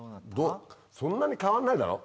そんなに変わんないだろ？